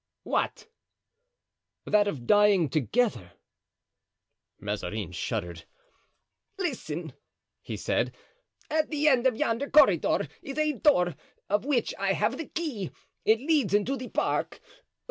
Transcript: "What?" "That of dying together." Mazarin shuddered. "Listen," he said; "at the end of yonder corridor is a door, of which I have the key, it leads into the park.